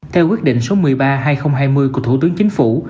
theo quyết định số một mươi ba hai nghìn hai mươi của thủ tướng chính phủ